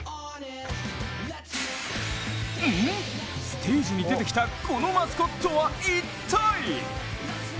ステージに出てきたこのマスコットは一体？